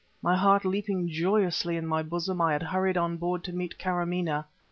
My heart leaping joyously in my bosom, I had hurried on board to meet Kâramaneh....